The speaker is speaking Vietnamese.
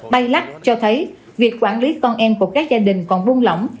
bay lắc cho thấy việc quản lý con em của các gia đình còn buông lỏng